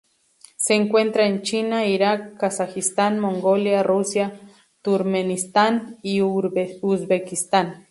Se encuentra en China, Irán, Kazajistán, Mongolia, Rusia, Turkmenistán y Uzbekistán.